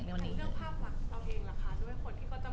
เหมือนวันนี้ที่เรามาแถลงข่าวคนอาจก็ยังจะไม่เชื่อ